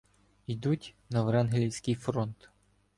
Йдуть на врангелівський фронт.